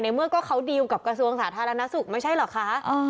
ในเมื่อเขาดีลกับกระทรวงศาสตร์ธนาศุกร์ไม่ใช่เหรอค่ะ